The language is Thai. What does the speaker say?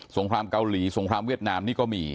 งครามเกาหลีสงครามเวียดนามนี่ก็มี